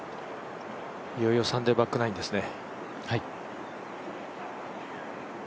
いよいよサンデーバックナインですね。